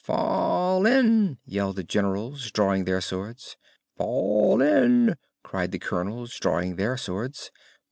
"Fall in!" yelled the Generals, drawing their swords. "Fall in!" cried the Colonels, drawing their swords.